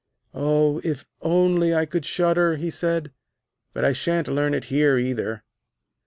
'Oh, if only I could shudder,' he said; 'but I shan't learn it here either.'